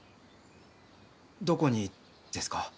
どこにですか？